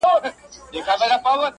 مور د درملو هڅه کوي خو ګټه نه کوي هېڅ-